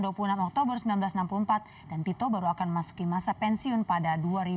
dua puluh enam oktober seribu sembilan ratus enam puluh empat dan pito baru akan memasuki masa pensiun pada dua ribu dua puluh